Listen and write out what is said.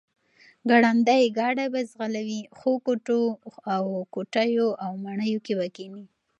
ګړندی ګاډی به ځغلوي، ښو کوټو او کوټیو او ماڼیو کې به کښېني،